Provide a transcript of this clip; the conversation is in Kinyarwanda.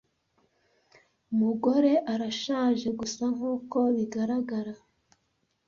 Umugore arashaje gusa nkuko bigaragara.